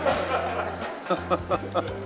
ハハハハ。